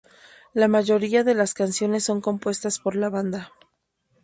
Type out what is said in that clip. La mayoría de las canciones son compuestas por la banda.